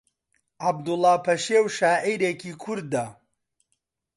عەبدوڵڵا پەشێو شاعیرێکی کوردە